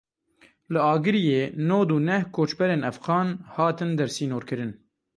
Li Agiriyê nod û neh koçberên Efxan hatin dersînorkirin.